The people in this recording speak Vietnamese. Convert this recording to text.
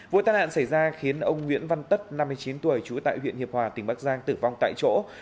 vụ tai nạn xảy ra khiến ông nguyễn văn tất năm mươi chín tuổi trú tại huyện hiệp hòa tỉnh bắc giang tử vong tại chỗ